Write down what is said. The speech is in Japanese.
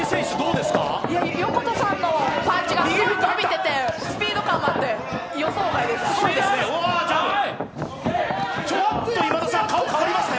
横田さんのパンチが伸びててスピード感もあって、予想外です、すごいですね。